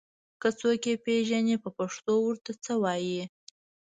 که څوک يې پېژني په پښتو ور ته څه وايي